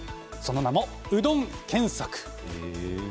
その名もうどん県索。